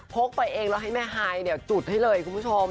กไปเองแล้วให้แม่ฮายจุดให้เลยคุณผู้ชม